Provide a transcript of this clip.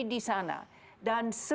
penghubungan dengan islam